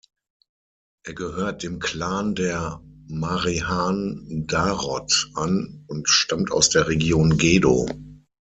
Er gehört dem Clan der Marehan-Darod an und stammt aus der Region Gedo.